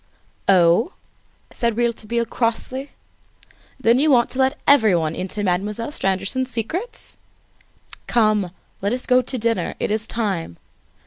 "Oh!" said Rouletabille crossly, "then you want to let everybody into Mademoiselle Stangerson's secrets? Come, let us go to dinner; it is time.